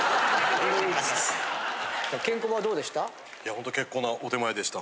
ケンコバどうでした？